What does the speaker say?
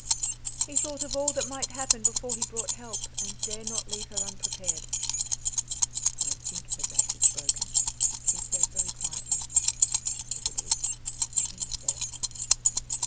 He thought of all that might happen before he brought help, and dare not leave her unprepared. "I think her back is broken," he said, very quietly. "If it is, it means death."